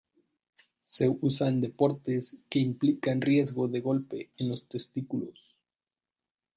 Se usa en deportes que implican riesgo de golpe en los testículos.